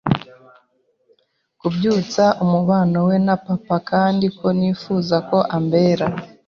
kubyutsa umubano we na papa kandi ko nifuza ko ambera